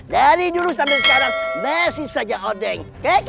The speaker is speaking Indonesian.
dari dulu sampai sekarang